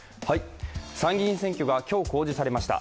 参議院選挙が今日、公示されました。